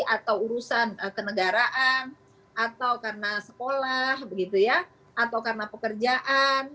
atau urusan kenegaraan atau karena sekolah atau karena pekerjaan